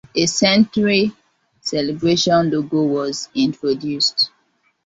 A centenary celebration logo was introduced.